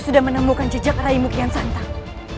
sudah menemukan jejak raimu kian santang